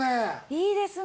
いいですね。